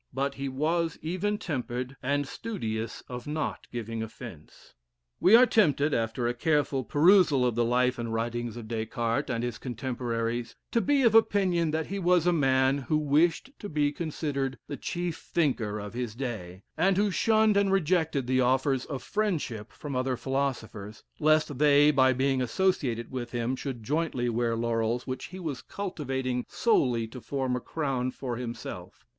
But he was even tempered, and studious of not giving offence." We are tempted, after a careful perusal of the life and writings of Des Cartes and his contemporaries, to be of opinion that he was a man who wished to be considered the chief thinker of his day, and who shunned and rejected the offers of friendship from other philosophers, lest they, by being associated with him, should jointly wear laurels which he was cultivating solely to form a crown for himself.